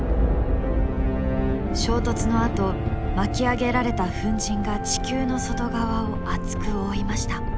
衝突のあと巻き上げられた粉じんが地球の外側を厚く覆いました。